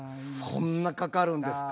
そんなかかるんですか？